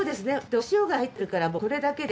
お塩が入ってるからこれだけで。